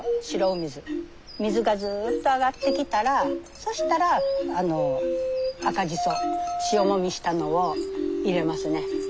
水がずっと上がってきたらそしたら赤じそ塩もみしたのを入れますね。